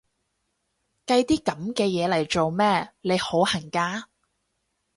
計啲噉嘅嘢嚟做咩？，你好恨嫁？